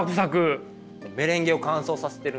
メレンゲを乾燥させてるんですよ。